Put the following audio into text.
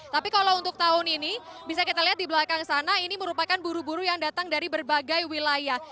tapi kalau untuk tahun ini bisa kita lihat di belakang sana ini merupakan buru buru yang datang dari berbagai wilayah